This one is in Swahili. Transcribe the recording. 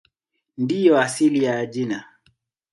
Ndiyo asili ya jina.